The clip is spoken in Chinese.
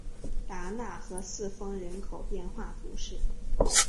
达讷和四风人口变化图示